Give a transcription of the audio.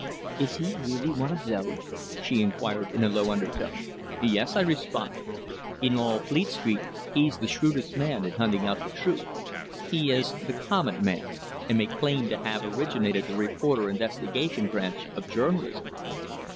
"Is he really one of those?" she inquired in a low undertone. "Yes," I responded. "In all Fleet Street, he's the shrewdest man in hunting out the truth. He is the Comet man, and may claim to have originated the reporter investigation branch of journalism."